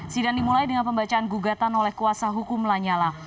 sidang dimulai dengan pembacaan gugatan oleh kuasa hukum lanyala